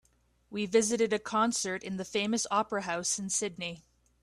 We visited a concert in the famous opera house in Sydney.